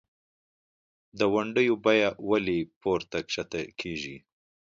دونډیو بیه ولۍ پورته کښته کیږي؟